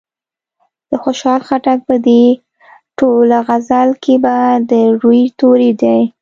د خوشال خټک په دې ټوله غزل کې ب د روي توری دی.